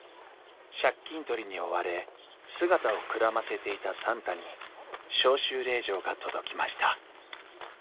借金取りに追われ姿をくらませていた算太に召集令状が届きました